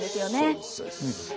そうですそうです。